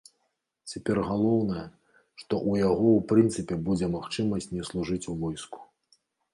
Цяпер галоўнае, што ў яго ў прынцыпе будзе магчымасць не служыць у войску.